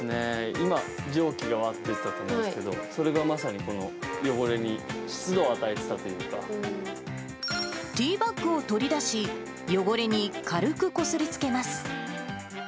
今、蒸気がわっと出てきたと思うんですけど、それがまさにこの汚れにティーバッグを取り出し、汚れに軽くこすりつけます。